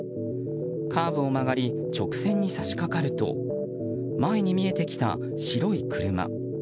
カーブを曲がり直線に差し掛かると前に見えてきた、白い車。